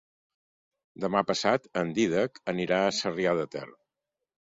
Demà passat en Dídac anirà a Sarrià de Ter.